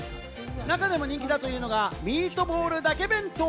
中でも人気だというのが、ミートボールだけ弁当。